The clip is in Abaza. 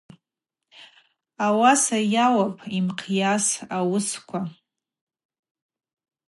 Ауаса йаъапӏ йымхъйас ауысква.